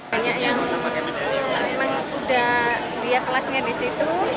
banyak yang memang udah lihat kelasnya di situ